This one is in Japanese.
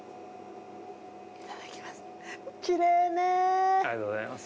いただきます。